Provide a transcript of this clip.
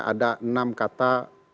ada enam kata